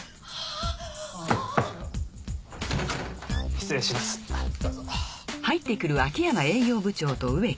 失礼しますどうぞ。